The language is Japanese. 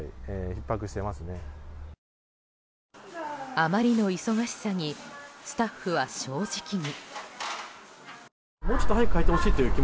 あまりの忙しさにスタッフは、正直に。